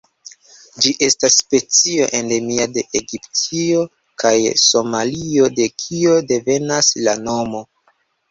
Ĝi estas specio endemia de Etiopio kaj Somalio, de kio devenas la nomo.